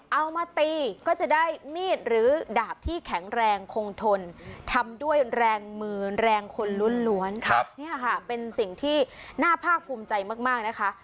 เอามาตีก็จะได้มีดหรือดาบที่แข็งแรงคงทนทำด้วยแรงมือแรงคนล้วนเนี่ยค่ะเป็นสิ่งที่น่าภาคภูมิใจมากนะคะ